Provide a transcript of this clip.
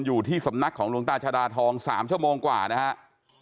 อยู่ที่สำนักของหลวงตาชาดาทอง๓ชั่วโมงกว่านะครับ